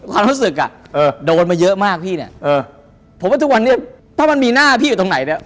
ความรู้สึกอ่ะเออโดนมาเยอะมากพี่เนี้ยเออผมว่าทุกวันนี้ถ้ามันมีหน้าพี่อยู่ตรงไหนเนี่ย